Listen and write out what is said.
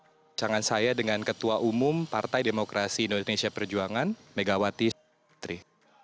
perbincangan saya dengan ketua umum partai demokrasi indonesia perjuangan megawati